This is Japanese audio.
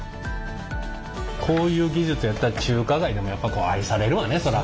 こういう技術やったら中華街でもやっぱ愛されるわねそら。